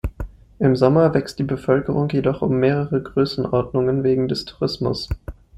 Im Sommer wächst die Bevölkerung jedoch um mehrere Größenordnungen wegen des Tourismus.